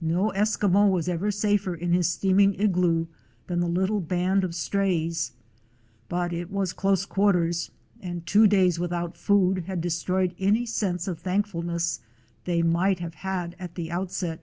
No Eskimo was ever safer in his steaming igloo than the little band of strays, but it was close quarters, and two days without food had destroyed any sense of thankfulness they might have had at the outset.